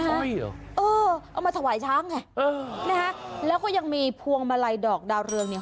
เอ้อเอามาถวายช้างไงแล้วก็ยังมีพวงมาลัยดอกดาวเรืองเนี่ย